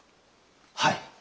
はい。